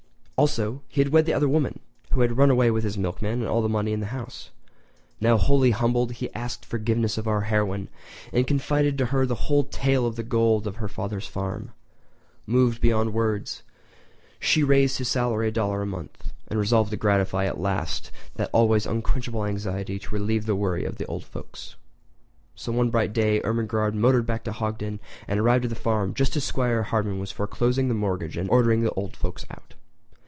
Also, he had wed the other woman, who had run away with the milkman and all the money in the house. Now wholly humbled, he asked forgiveness of our heroine, and confided to her the whole tale of the gold on her father's farm. Moved beyond words, she raised his salary a dollar a month and resolved to gratify at last that always unquenchable anxiety to relieve the worry of the old folks. So one bright day Ermengarde motored back to Hogton and arrived at the farm just as 'Squire Hardman was foreclosing the mortgage and ordering the old folks out.